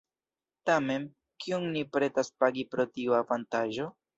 Tamen, kiom ni pretas pagi pro tiu avantaĝo?